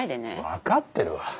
分かってるわ。